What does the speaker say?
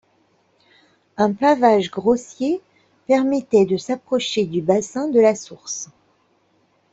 Un pavage grossier permettait de s'approcher du bassin de la source.